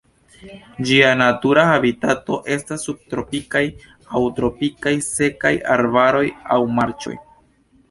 Ĝia natura habitato estas subtropikaj aŭ tropikaj sekaj arbaroj aŭ marĉoj.